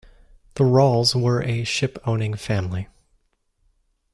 The Rawles were a ship-owning family.